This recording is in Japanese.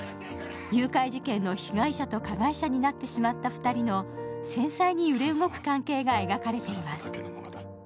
誘拐事件の被害者と加害者になってしまった２人の繊細に揺れ動く関係が描かれています。